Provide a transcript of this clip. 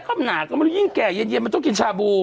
ขนาดก็ไม่รู้ยิ่งแก่เย็นมันต้องกินชาบู